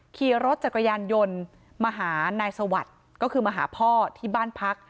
ขี่รถจักรยานยนต์มาหานายสวัสดิ์ก็คือมาหาพ่อที่บ้านพัก